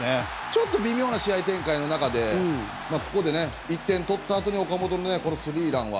ちょっと微妙な試合展開の中でここで１点取ったあとに岡本のこのスリーランは。